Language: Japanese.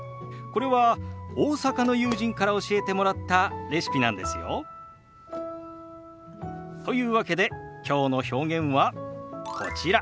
これは大阪の友人から教えてもらったレシピなんですよ。というわけできょうの表現はこちら。